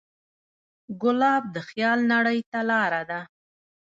ګلاب د خیال نړۍ ته لاره ده.